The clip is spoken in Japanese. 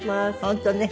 本当ね。